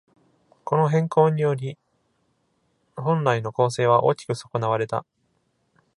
この変更により、本来の構成は大きく損なわれた。